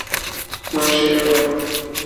Maurice J. E. Brown.